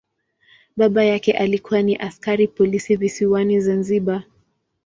Baba yake alikuwa ni askari polisi visiwani Zanzibar.